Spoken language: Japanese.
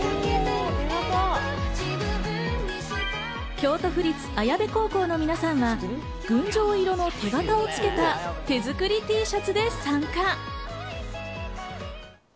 京都府立綾部高校の皆さんは群青色の手形を付けた手づくりＴシャツで参加。